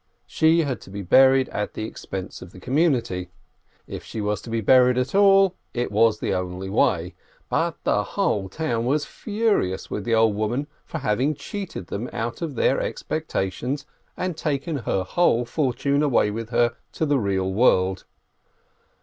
She had to be buried at the expense of the community. If she was to be buried at all, it was the only way. But the whole town was furious with the old woman for having cheated them out of their expec tations and taken her whole fortune away with her to the real world.